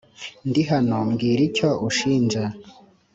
ndihano mbwira icyo unshinja